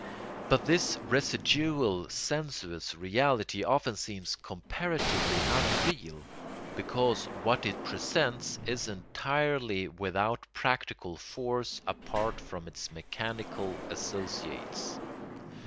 But this residual sensuous reality often seems comparatively unreal because what it presents is entirely without practical force apart from its mechanical associates.